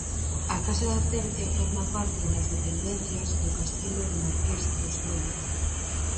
A Casa da Tercia forma parte das dependencias do Castelo do Marqués dos Vélez.